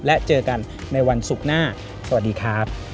และเจอกันในวันศุกร์หน้าสวัสดีครับ